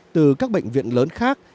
từ các bệnh viện lớn khác